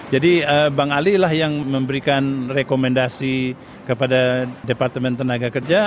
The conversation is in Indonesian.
jadi bang ali lah yang memberikan rekomendasi kepada departemen tenaga kerja